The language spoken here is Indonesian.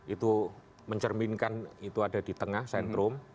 itu mencerminkan itu ada di tengah sentrum